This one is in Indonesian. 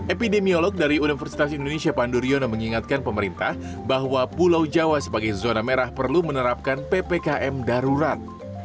epidemiolog dari universitas indonesia pandu riono mengingatkan pemerintah bahwa pulau jawa sebagai zona merah perlu menerapkan ppkm darurat